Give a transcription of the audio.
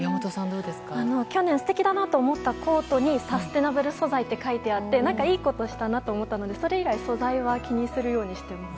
去年素敵だなと思った服にサステナブル素材と書いてあっていいことしたなと思ってそれ以来、素材は気にするようにしています。